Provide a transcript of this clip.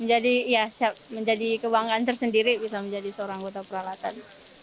menjadi ya siap menjadi kebanggaan tersendiri bisa menjadi seorang anggota peralatan